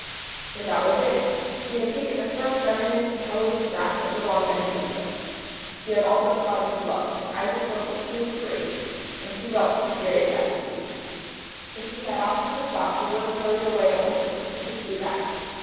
So that was it; she had taken a firm feminine intelligent grasp of the wrong end of the stick. She had also caught up her gloves. Her eyes were filled with tears of rage, and he felt very bad indeed. If he had asked her to stop she would have hurried away all the quicker; he could see that.